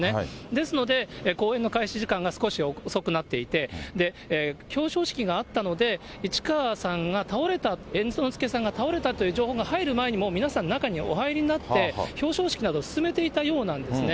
ですので、公演の開始時間が少し遅くなっていて、表彰式があったので、市川さんが倒れた、猿之助さんが倒れたという情報が入る前に、皆さん中にお入りになって、表彰式などを進めていたようなんですね。